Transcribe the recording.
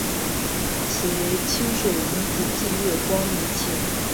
此为清水玲子继月光迷情及辉夜姬等成功作品后的另一部科幻连载作品。